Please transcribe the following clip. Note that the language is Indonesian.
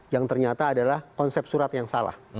yang ternyata adalah konsep surat yang salah